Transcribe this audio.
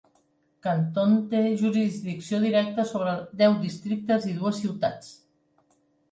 Canton té jurisdicció directa sobre deu districtes i dues ciutats.